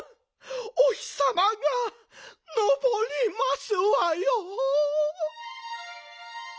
お日さまがのぼりますわよ。